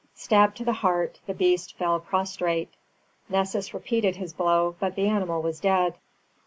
Stabbed to the heart, the beast fell prostrate. Nessus repeated his blow, but the animal was dead.